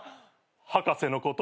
博士のこと？